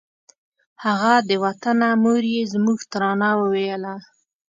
هغه د وطنه مور یې زموږ ترانه وویله